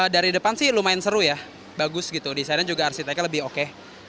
dari depan sih lumayan seru ya bagus gitu desainer juga arsiteknya lebih oke